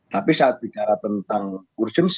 tapi saat bicara tentang urgensi